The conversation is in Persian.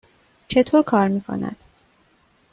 چطور کار می کند؟